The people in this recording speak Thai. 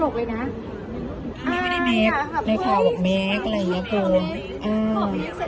ไม่ได้เมคในข่าวบอกเมคอะไรอย่างนี้โกง